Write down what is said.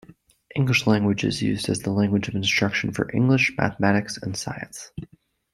English language is used as the language of instruction for English, Mathematics, and Science.